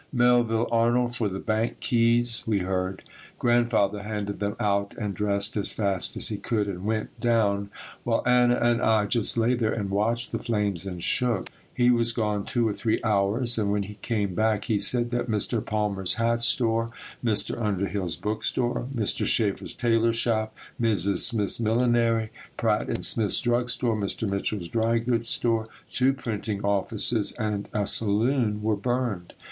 "Melville Arnold for the bank keys," we heard. Grandfather handed them out and dressed as fast as he could and went down, while Anna and I just lay there and watched the flames and shook. He was gone two or three hours and when he came back he said that Mr. Palmer's hat store, Mr. Underhill's book store, Mr. Shafer's tailor shop, Mrs. Smith's millinery, Pratt & Smith's drug store, Mr. Mitchell's dry goods store, two printing offices and a saloon were burned.